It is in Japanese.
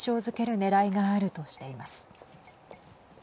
ねらいがあるとしています。